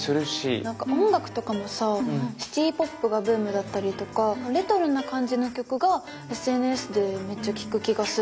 なんか音楽とかもさシティーポップがブームだったりとかレトロな感じの曲がＳＮＳでめっちゃ聴く気がする。